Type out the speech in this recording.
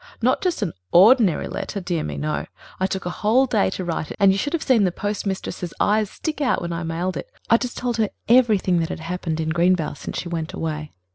Not just an ordinary letter; dear me, no. I took a whole day to write it, and you should have seen the postmistress's eyes stick out when I mailed it. I just told her everything that had happened in Greenvale since she went away.